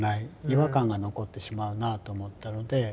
違和感が残ってしまうなぁと思ったので。